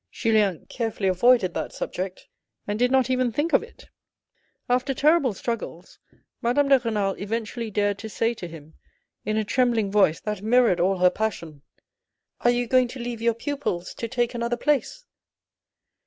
Julien carefully avoided that subject, and did not even think of it. After terrible struggles, Madame de Renal eventually dared to say to him in a trembling voice that mirrored all her passion :" Are you going to leave your pupils to take another place?"